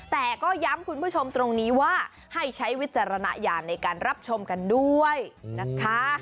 แต่ก็ย้ำคุณผู้ชมตรงนี้ว่าให้ใช้วิจารณญาณในการรับชมกันด้วยนะคะ